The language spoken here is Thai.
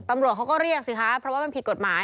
ตำรวจเขาก็เรียกสิคะเพราะว่ามันผิดกฎหมาย